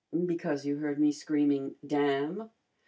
"Because you heard me screaming 'damn'?"